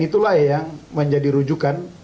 itulah yang menjadi rujukan